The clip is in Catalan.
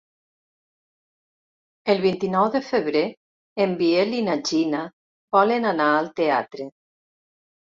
El vint-i-nou de febrer en Biel i na Gina volen anar al teatre.